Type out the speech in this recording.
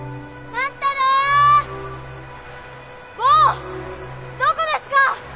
坊どこですか？